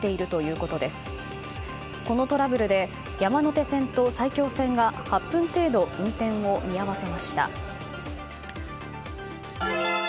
このトラブルで山手線と埼京線が８分程度運転を見合わせました。